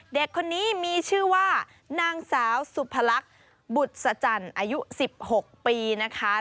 เด็กคนนี้มีชื่อว่านางสาวสุพรรคบุษจันทร์อายุ๑๖ปีนะคะ